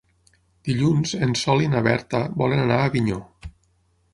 Dilluns en Sol i na Berta volen anar a Avinyó.